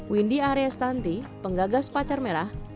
windy arya stanti penggagas pacar merah